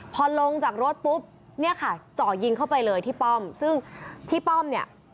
พอลงจากรถปุ๊บเนี่ยค่ะเจาะยิงเข้าไปเลยที่ป้อมซึ่งที่ป้อมเนี่ย